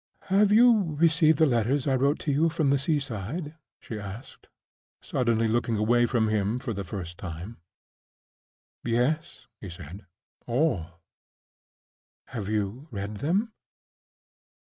"Have you received the letters I wrote to you from the seaside?" she asked, suddenly looking away from him for the first time. "Yes," he said; "all." "Have you read them?"